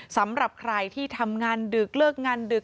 สำหรับใครที่ทำงานดึกเลิกงานดึก